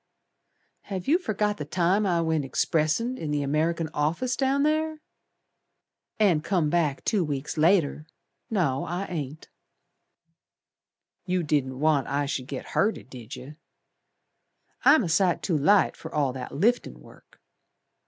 "Have yer forgot the time I went expressin' In the American office, down ther?" "And come back two weeks later! No, I ain't." "You didn't want I should git hurted, Did yer? I'm a sight too light fer all that liftin' work.